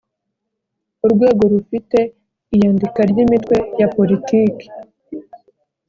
urwego rufite iyandikwa ry’imitwe ya politiki